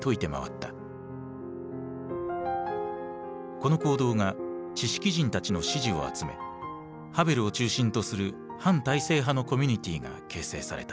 この行動が知識人たちの支持を集めハヴェルを中心とする反体制派のコミュニティーが結成された。